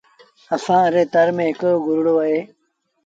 اَسآݩ ري تر ميݩ هڪڙو گرڙو اهي۔